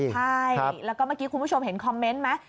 ใช่แล้วก็เมื่อกี้คุณผู้ชมเห็นคอมเมนต์ไหม